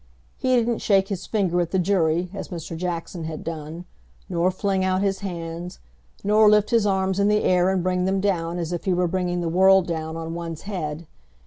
He didn't shake his finger at the jury, as Mr. Jackson had done, nor fling out his hands, nor lift his arms in the air and bring them down as if he were bringing the world down on one's head.